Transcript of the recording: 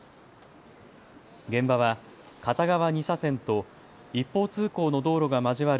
現場は片側２車線と一方通行の道路が交わる